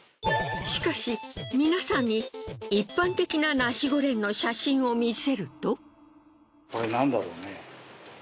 しかし皆さんに一般的なナシゴレンの写真を見せると。